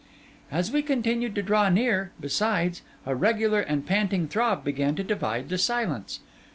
As we continued to draw near, besides, a regular and panting throb began to divide the silence.